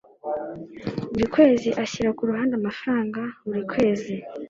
buri kwezi ashyira ku ruhande amafaranga buri kwezi